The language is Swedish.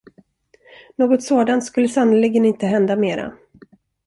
Något sådant skulle sannerligen inte hända mera.